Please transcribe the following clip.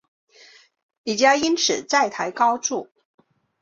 李家因此债台高筑。